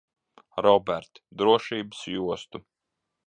Robert, drošības jostu.